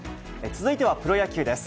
続いてはプロ野球です。